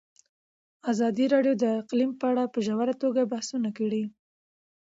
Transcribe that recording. ازادي راډیو د اقلیم په اړه په ژوره توګه بحثونه کړي.